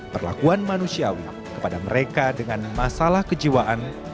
perlakuan manusiawi kepada mereka dengan masalah kejiwaan